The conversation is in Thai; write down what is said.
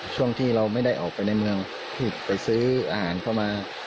ช่วงที่เราไม่ได้ออกไปในเมืองที่ไปซื้ออาหารเข้ามา